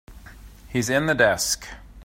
He's in the desk.